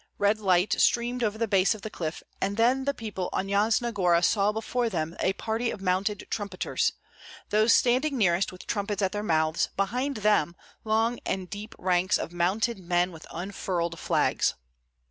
Red light streamed over the base of the cliff, and then the people on Yasna Gora saw before them a party of mounted trumpeters, those standing nearest with trumpets at their mouths, behind them long and deep ranks of mounted men with unfurled flags.